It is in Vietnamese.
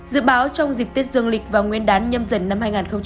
dự báo trong dịp tiết dương lịch và nguyên đán nhâm dần năm hai nghìn hai mươi hai